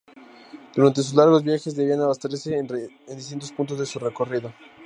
Durante sus largos viajes debían abastecerse en distintos puntos de su recorrido.